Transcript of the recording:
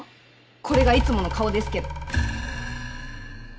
これがいつもの顔ですけど。